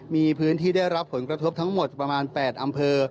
มีพื้นที่ได้รับผลกระทบทั้งหมดประมาณ๘อำเภอ